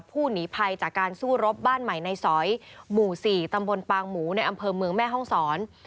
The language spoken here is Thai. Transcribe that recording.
ผู้หนีภัยจากการสู้รบบ้านใหม่ในสอยหมู่๔ตำบลปางหมูในอำเภอเมืองแม่ห้องศร